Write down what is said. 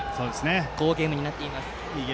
好ゲームになっています。